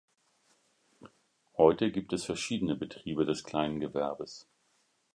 Heute gibt es verschiedene Betriebe des Kleingewerbes.